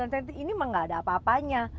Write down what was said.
sembilan cm ini emang gak ada apa apanya